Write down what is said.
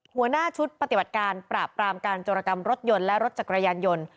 หัวหน้าชุดปฏิบัติการปราบปรามการจรกรรมรถยนต์และรถจักรยานยนต์